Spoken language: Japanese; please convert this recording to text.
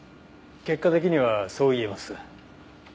結果的にはそう言えます。